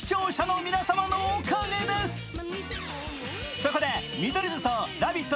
そこで見取り図と「ラヴィット！」